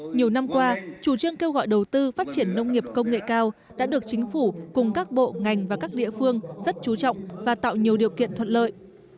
nhiều năm qua chủ trương kêu gọi đầu tư phát triển nông nghiệp công nghệ cao đã được chính phủ cùng các bộ ngành và các địa phương rất chú trọng và tạo nhiều điều kiện thuận lợi